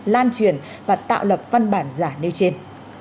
lan truyền và tạo lập văn bản giả nêu trên